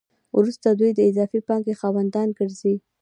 وروسته دوی د اضافي پانګې خاوندان ګرځي